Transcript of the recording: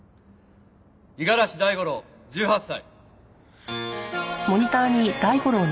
五十嵐大五郎１８歳。